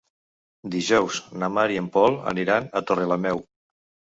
Dijous na Mar i en Pol aniran a Torrelameu.